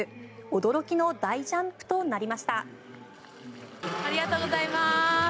驚きの大ジャンプとなりました。